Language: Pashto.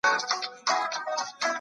زه غواړم چي د مرغانو په څېر البوزم.